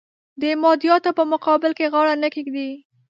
د مادیاتو په مقابل کې غاړه نه ږدي.